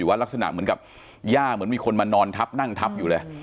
ว่ารักษณะเหมือนกับย่าเหมือนมีคนมานอนทับนั่งทับอยู่เลย